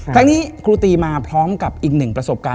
ครั้งนี้ครูตีมาพร้อมกับอีกหนึ่งประสบการณ์